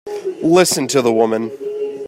Listen to the woman!